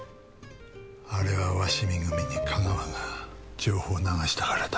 あれは鷲見組に架川が情報を流したからだ。